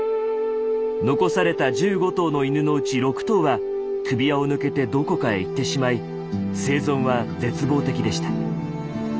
残された１５頭の犬のうち６頭は首輪を抜けてどこかへ行ってしまい生存は絶望的でした。